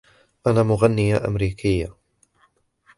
أنا مغنية أمريكية.